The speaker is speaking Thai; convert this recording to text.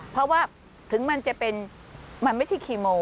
เพราะว่าถึงมันจะเป็นมันไม่ใช่คีโม